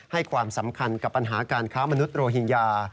ให้ความสำคัญกับปัญหาการค้ามนุษยโรฮิงญา